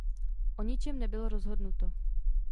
O ničem nebylo rozhodnuto.